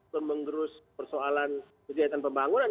persoalan kegiatan pembangunan